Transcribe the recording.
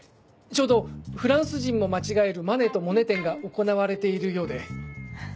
ちょうど「フランス人も間違えるマネとモネ展」が行われているようで。